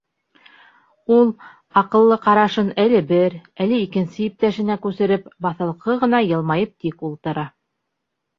Ул, аҡыллы ҡарашын әле бер, әле икенсе иптәшенә күсереп, баҫалҡы ғына йылмайып тик ултыра.